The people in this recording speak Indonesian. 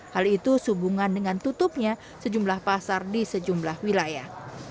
hal itu sehubungan dengan tutupnya sejumlah pasar di sejumlah wilayah